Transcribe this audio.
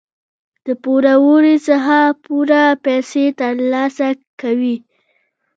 د پوروړي څخه پوره پیسې تر لاسه کوي.